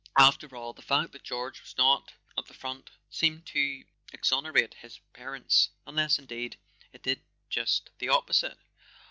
After all, the fact that George was not at the front seemed to exon¬ erate his parents—unless, indeed, it did just the opposite.